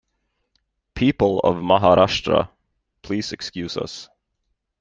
People of Maharashtra, please excuse us.